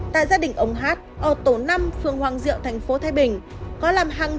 tại gia đình ông hát ở tổ năm phương hoàng diệu tp thái bình